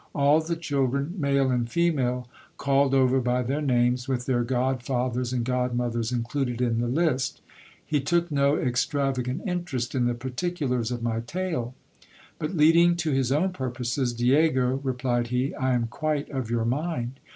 All the children, male and female, called over by their names, with their godfathers and godmothers included in the list ! He took no extravagant interest in the particulars of my tale ; but leading to his own purposes, Diego, replied he, I am quite of your mind.